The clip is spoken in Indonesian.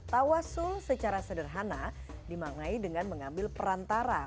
tawasul secara sederhana dimaknai dengan mengambil perantara